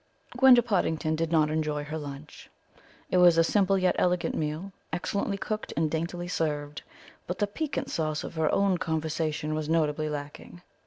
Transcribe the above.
Gwenda Pottingdon did not enjoy her lunch. It was a simple yet elegant meal, excellently cooked and daintily served, but the piquant sauce of her own conversation was notably lacking.